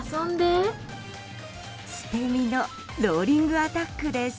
捨て身のローリングアタックです。